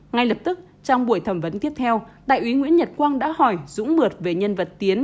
ngay lập tức trong buổi thẩm vấn tiếp theo đại úy nguyễn nhật quang đã hỏi dũng mượt về nhân vật tiến